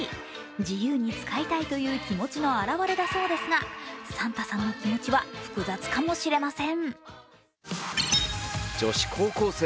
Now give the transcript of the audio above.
自由に使いたいという気持ちのあらわれだそうですがサンタさんの気持ちは複雑かもしれません。